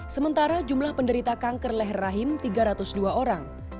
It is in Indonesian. sementara jumlah penderita kanker leher rahim tiga ratus dua orang